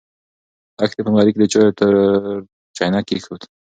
لښتې په نغري کې د چایو تور چاینک کېښود.